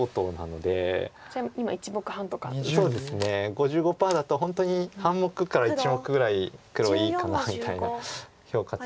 ５５％だと本当に半目から１目ぐらい黒がいいかなみたいな評価値。